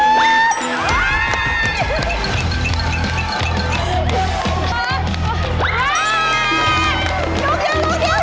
ลูกเดียวลูกสุดท้าย